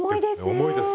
重いです。